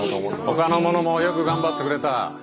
ほかの者もよく頑張ってくれた。